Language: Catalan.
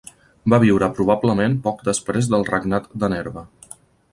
Va viure probablement poc després del regnat de Nerva.